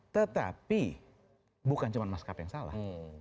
tetapi bukan cuma mas kp yang salah